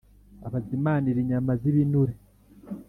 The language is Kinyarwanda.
abazimanire inyama z’ibinure,